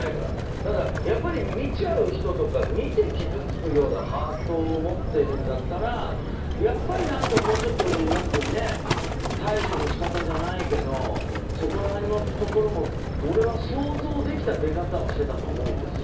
ただ、見ちゃう人とか見て傷つくようなハートを持っているんだったらやっぱり、もうちょっとヤックン対処の仕方じゃないけどそこら辺のところも俺は想像できた出方をしてたと思うんですよ。